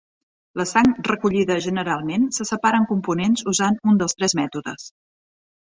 La sang recollida generalment se separa en components usant un dels tres mètodes.